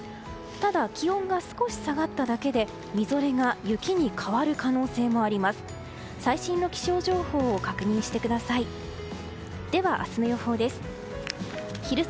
ただ、気温が少し下がっただけでみぞれが雪に変わる可能性もあります。